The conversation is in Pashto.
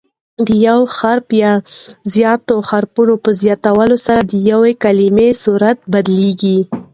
د یو حرف یا زیاتو حروفو په زیاتوالي سره د یوې کلیمې صورت بدلیږي.